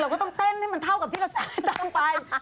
เหลือก็ต้องเต้นให้มันเท่ากับที่เราจะให้ดังไป